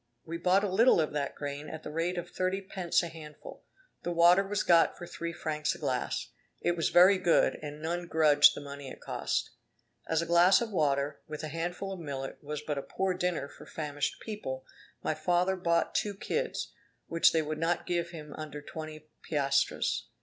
We bought a little of that grain at the rate of thirty pence a handful; the water was got for three francs a glass; it was very good, and none grudged the money it cost. As a glass of water, with a handful of millet, was but a poor dinner for famished people, my father bought two kids, which they would not give him under twenty piastres.